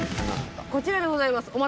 こちらでございます。